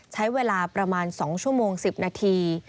ใช้เวลาประมาณ๒ชั่วโมง๑๐นาที